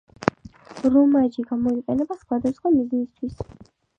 რომაჯი გამოიყენება სხვადასხვა მიზნისთვის.